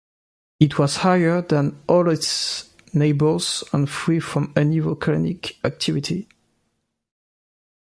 It was higher than all its neighbours and free from any volcanic activity.